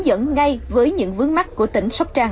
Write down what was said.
dẫn ngay với những vướng mắt của tỉnh sóc trăng